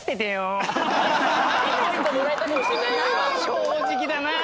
正直だなあ！